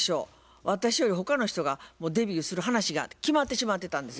私より他の人がもうデビューする話が決まってしまってたんです。